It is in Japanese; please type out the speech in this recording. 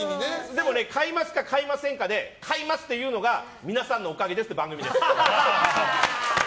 でもね買いますか、買いませんかで買いますっていうのが「みなさんのおかげでした」